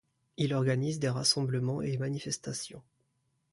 Il organise des rassemblements et manifestations.